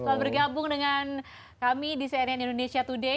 telah bergabung dengan kami di cnn indonesia today